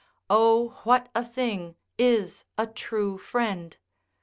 O what a thing is a true friend!